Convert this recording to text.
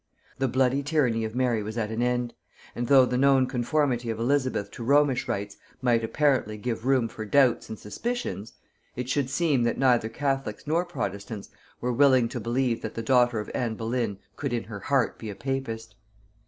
The bloody tyranny of Mary was at an end; and though the known conformity of Elizabeth to Romish rites might apparently give room for doubts and suspicions, it should seem that neither catholics nor protestants were willing to believe that the daughter of Anne Boleyn could in her heart be a papist.